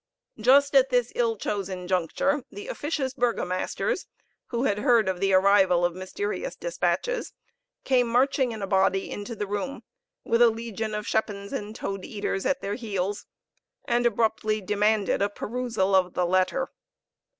Just at this ill chosen juncture the officious burgomasters, who had heard of the arrival of mysterious despatches, came marching in a body into the room, with a legion of schepens and toad eaters at their heels, and abruptly demanded a perusal of the letter.